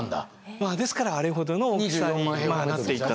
まあですからあれほどの大きさになっていったと。